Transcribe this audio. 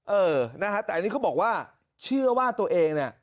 เออนะฮะแต่อันนี้เขาบอกว่าเชื่อว่าตัวเองเนี่ย